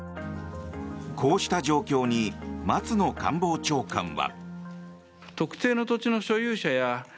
こうした状況に松野官房長官は。